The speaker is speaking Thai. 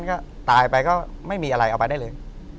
ก็ตายไปก็ไม่มีอะไรเอาไปได้เลย